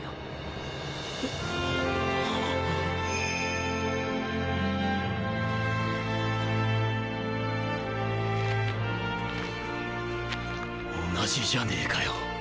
同じじゃねえかよ